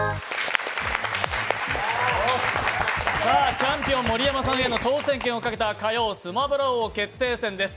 チャンピオン・盛山さんへの挑戦権をかけた火曜スマブラ王決定戦です。